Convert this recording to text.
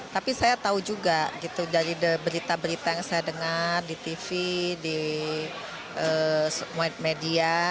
tapi saya tahu juga gitu dari berita berita yang saya dengar di tv di media